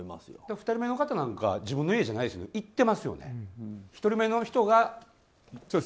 ２人目の方なんか自分の家じゃないですよね行ってますよね。